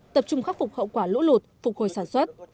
tập trung khắc phục hậu quả lũ lụt phục hồi sản xuất